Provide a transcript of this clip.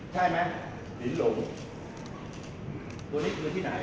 ใช่ไหมหินหลงตัวนี้คือที่ไหน